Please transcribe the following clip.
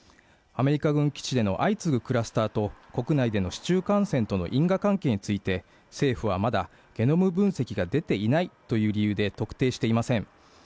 アメリカ軍基地での相次ぐクラスターと国内での市中感染との因果関係について政府はまだゲノム分析が出ていないという理由で特定していません